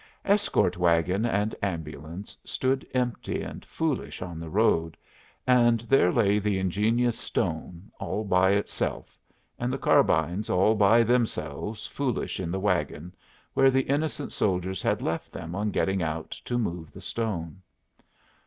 Escort wagon and ambulance stood empty and foolish on the road, and there lay the ingenious stone all by itself, and the carbines all by themselves foolish in the wagon, where the innocent soldiers had left them on getting out to move the stone.